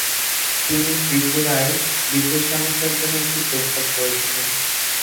তিনি ত্রিপুরায় বিদ্যুৎ সমস্যার জন্য একটি প্রস্তাব করেছিলেন।